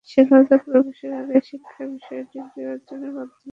শিক্ষকতায় প্রবেশের আগেই শিক্ষা বিষয়ে ডিগ্রি অর্জন বাধ্যতামূলক করা সময়ের দাবি।